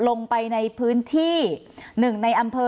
ลงไปในพื้นที่๑ในอำเภอ